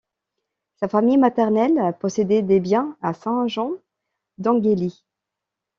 Sa famille maternelle possédait des biens à Saint-Jean-d'Angély.